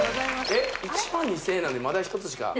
えっ１２０００円なんでまだ１つしか？